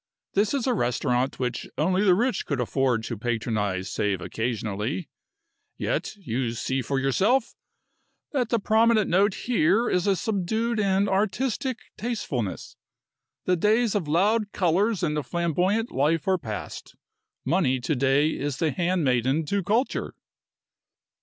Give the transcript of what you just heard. This is a restaurant which only the rich could afford to patronize save occasionally, yet you see for yourself that the prominent note here is a subdued and artistic tastefulness. The days of loud colors and of the flamboyant life are past. Money to day is the handmaiden to culture."